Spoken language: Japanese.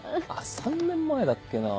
３年前だっけなぁ？